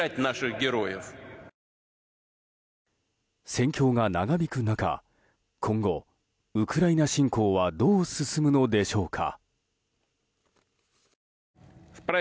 戦況が長引く中今後、ウクライナ侵攻はどう進むのでしょうか。